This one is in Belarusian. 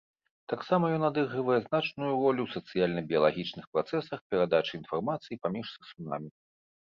Таксама ён адыгрывае значную ролю ў сацыяльна-біялагічных працэсах перадачы інфармацыі паміж сысунамі.